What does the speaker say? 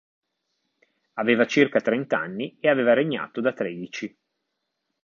Aveva circa trent'anni e aveva regnato da tredici.